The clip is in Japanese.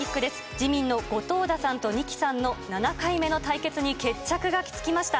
自民の後藤田さんと仁木さんの７回目の対決に決着がつきました。